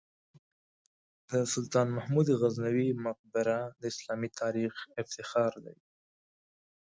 د سلطان محمود غزنوي مقبره د اسلامي تاریخ افتخار دی.